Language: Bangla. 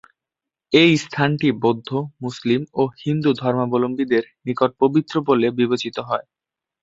এই স্থানটি বৌদ্ধ, মুসলিম ও হিন্দু ধর্মাবলম্বীদের নিকট পবিত্র বলে বিবেচিত হয়।